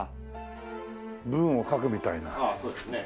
ああそうですね。